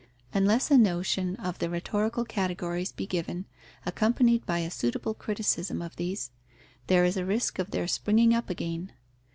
Unless a notion of the rhetorical categories be given, accompanied by a suitable criticism of these, there is a risk of their springing up again.